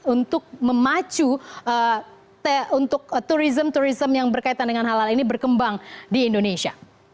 untuk memacu untuk turisme turisme yang berkaitan dengan halal ini berkembang di indonesia